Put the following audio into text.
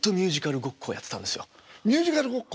ミュージカルごっこ？